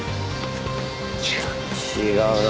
違うな。